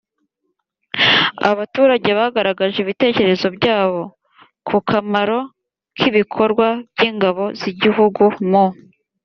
abaturage bagaragaje ibitekerezo byabo ku kamaro k ibikorwa by ingabo z igihugu mu